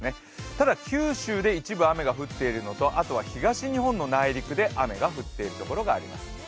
ただ九州で一部雨が降っているのとあとは東日本の内陸で雨が降っているところがあります。